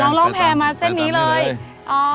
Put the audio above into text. อ๋อเดี๋ยวร่องร่องแพร่มาเส้นนี้เลย